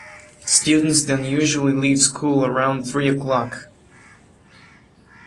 Students then usually leave school around three o'clock.